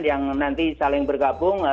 yang nanti saling bergabung